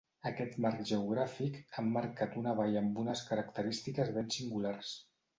Aquest marc geogràfic ha emmarcat una vall amb unes característiques ben singulars.